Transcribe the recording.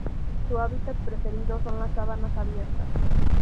Su hábitat preferido son las sabanas abiertas.